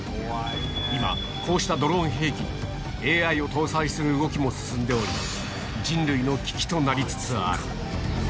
今、こうしたドローン兵器にＡＩを搭載する動きも進んでおり、人類の危機となりつつある。